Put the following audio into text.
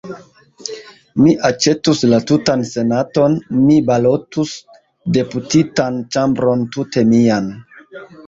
Mi aĉetus la tutan senaton; mi balotus deputitan ĉambron tute mian!